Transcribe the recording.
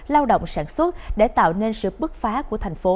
lao động sản xuất để tạo nên sự bức phá của tp hcm